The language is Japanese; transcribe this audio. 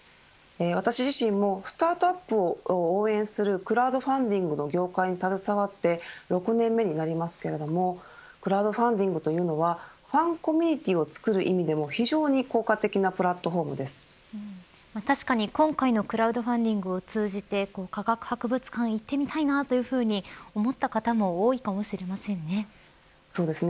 私自身もスタートアップを応援するクラウドファンディングの業界に携わって６年目になりますけどもクラウドファンディングというのはファンコミュニティをつくる意味でも非常に効果的な確かに今回のクラウドファンディングを通じて科学博物館行ってみたいなというふうに思った方もそうですね。